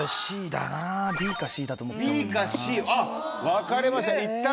分かれました